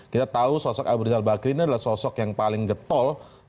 kita tahu sosok abu rizal bakri ini adalah sosok yang paling getol